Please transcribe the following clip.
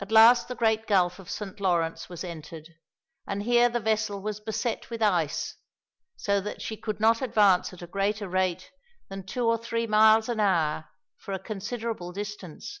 At last the great gulf of Saint Lawrence was entered, and here the vessel was beset with ice, so that she could not advance at a greater rate than two or three miles an hour for a considerable distance.